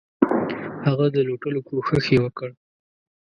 هغه د لوټلو کوښښ یې وکړ.